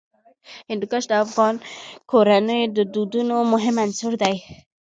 هندوکش د افغان کورنیو د دودونو مهم عنصر دی.